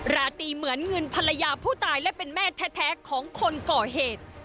ราตรีเหมือนเงินภรรยาผู้ตายและเป็นแม่แท้ของคนก่อเหตุ